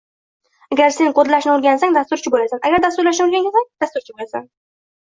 Agar sen kodlashni oʻrgansang dasturchi boʻlasan, agar dasturlashni oʻrgansang, dasturchi boʻlasan.